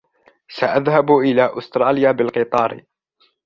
سأذهب إلى أستراليا بالقطار.